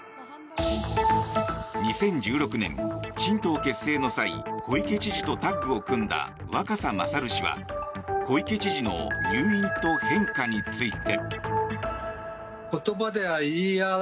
２０１６年、新党結成の際小池知事とタッグを組んだ若狭勝氏は小池知事の入院と変化について。